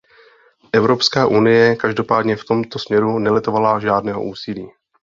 Evropská unie každopádně v tomto směru nelitovala žádného úsilí.